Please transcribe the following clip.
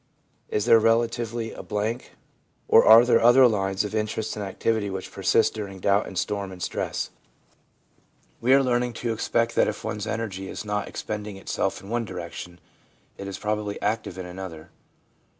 Is there relatively a blank, or are there other lines of interest and activity which persist during doubt and storm and stress ? We are learning to expect that if one's energy is not expending itself in one direction, it is probably active in another.